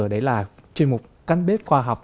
đấy là chuyên mục căn bếp khoa học